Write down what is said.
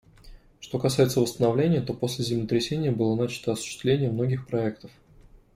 Что касается восстановления, то после землетрясения было начато осуществление многих проектов.